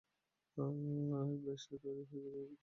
ব্যাস তৈরি হয়ে যাবে তালের গোলাপ পিঠা।